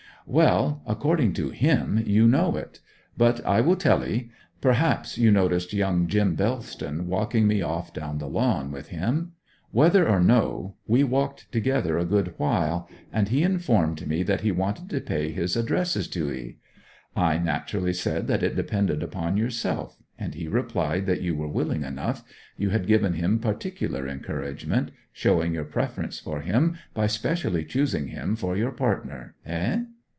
'Well, according to him you know it. But I will tell 'ee. Perhaps you noticed young Jim Bellston walking me off down the lawn with him? whether or no, we walked together a good while; and he informed me that he wanted to pay his addresses to 'ee. I naturally said that it depended upon yourself; and he replied that you were willing enough; you had given him particular encouragement showing your preference for him by specially choosing him for your partner hey?